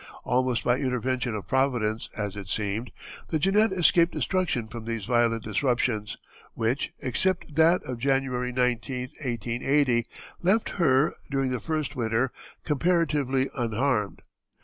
Almost by intervention of Providence, as it seemed, the Jeannette escaped destruction from these violent disruptions, which, except that of January 19, 1880, left her, during the first winter, comparatively unharmed.